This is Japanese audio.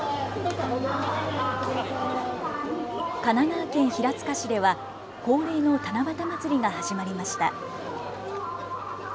神奈川県平塚市では恒例の七夕まつりが始まりました。